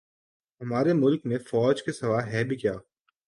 ہمارے ملک میں فوج کے سوا ھے بھی کیا